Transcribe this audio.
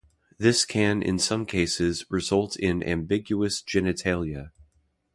This can in some cases result in ambiguous genitalia.